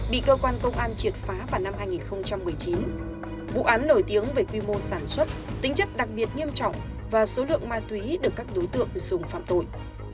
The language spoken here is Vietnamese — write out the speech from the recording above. bị cơ quan công an triệt phá vào năm hai nghìn một mươi chín vụ án nổi tiếng về quy mô sản xuất tính chất đặc biệt nghiêm trọng và số lượng ma túy được các đối tượng dùng phạm tội